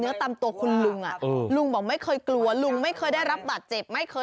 เฮ้ยมีเวลาต่อมา